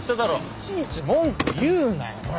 いちいち文句言うなよほら。